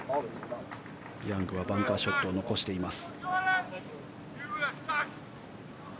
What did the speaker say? ヤングはバンカーショットを残しています。